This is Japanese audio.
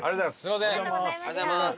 ありがとうございます。